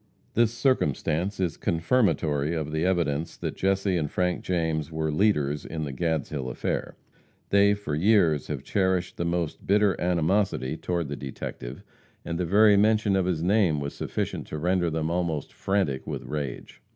This circumstance is confirmatory of the evidence that Jesse and Frank James were leaders in the Gadshill affair. They, for years, have cherished the most bitter animosity toward the detective, and the very mention of his name was sufficient to render them almost frantic with rage.